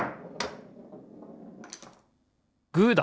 グーだ！